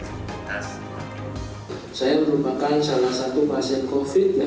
saya merupakan salah satu pasien yang tersebut